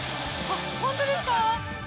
あっ、本当ですか。